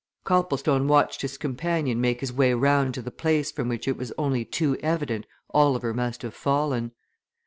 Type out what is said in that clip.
Copplestone watched his companion make his way round to the place from which it was only too evident Oliver must have fallen.